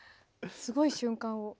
すごい瞬間を。